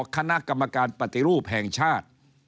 คณะกรรมการปฏิรูปแห่งชาติ